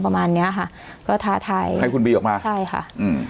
ประมาณเนี้ยค่ะก็ท้าทายให้คุณบีออกมาใช่ค่ะอืม